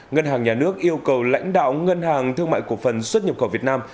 ngân hàng nhà nước yêu cầu lãnh đạo ngân hàng thương mại cổ phần xuất nhập khẩu việt nam